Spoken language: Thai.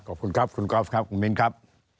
ขอบคุณครับคุณกอล์ฟครับคุณมิ้นครับ